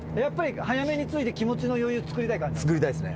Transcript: やっぱり早めに着いて気持ちの余裕つくりたい？